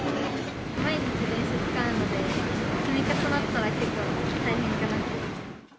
毎日電車使うので、積み重なったら結構、大変かなって。